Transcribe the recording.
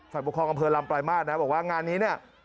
ปกครองอำเภอลำปลายมาตรนะบอกว่างานนี้เนี่ย